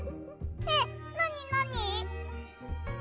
えっなになに？